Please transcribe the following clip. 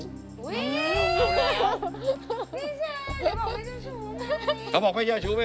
พี่เชนเดี๋ยวบอกให้เจ้าชู้ไหม